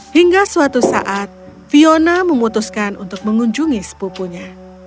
hingga suatu saat fiona memutuskan untuk mengunjungi sepupunya